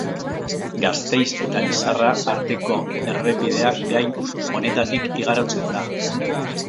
Gasteiz eta Lizarra arteko errepidea gain honetatik igarotzen da.